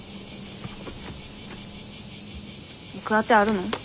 行く当てあるの？